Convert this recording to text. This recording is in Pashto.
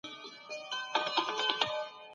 ذوق جوړ کړئ.